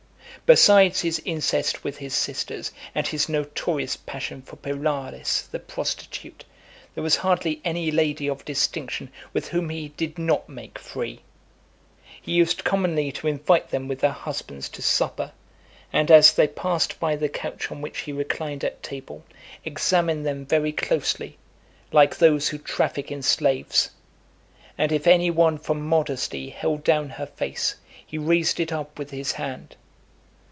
Besides his incest with his sisters, and his notorious passion for Pyrallis, the prostitute, there was hardly any lady of distinction with whom he did not make free. He used commonly to invite them with their husbands to supper, and as they passed by the couch on which he reclined at table, examine them very closely, like those who traffic in slaves; and if any one from modesty held down her face, he raised it up with his hand.